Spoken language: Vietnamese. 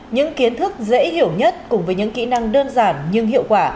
những kiến thức dễ hiểu nhất cùng với những kỹ năng đơn giản nhưng hiệu quả